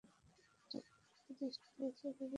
এটি প্রতিষ্ঠা করেছেন রবিউল হাসান শিমুল।